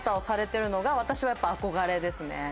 されてるのが私はやっぱ憧れですね。